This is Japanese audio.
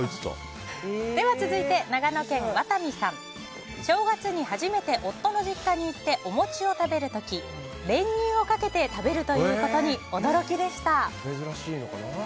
続いて、長野県の方。正月に初めて夫の実家に行ってお餅を食べる時練乳をかけて食べることに驚きでした。